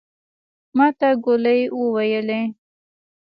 ماته ګولي وويلې.